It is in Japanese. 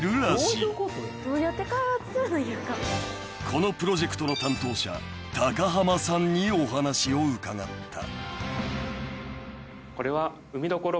［このプロジェクトの担当者高浜さんにお話を伺った］